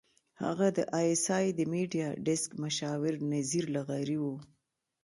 هغه د اى ايس اى د میډیا ډیسک مشاور نذیر لغاري وو.